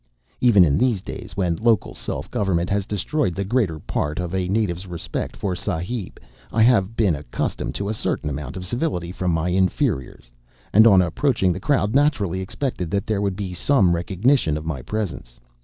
Even in these days, when local self government has destroyed the greater part of a native's respect for a Sahib, I have been accustomed to a certain amount of civility from my inferiors, and on approaching the crowd naturally expected that there would be some recognition of my presence.